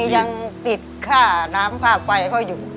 ยังติดค่าน้ำค่าไฟเขาอยู่